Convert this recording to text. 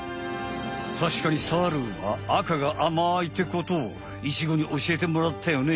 たしかにサルは赤があまいってことをイチゴにおしえてもらったよね？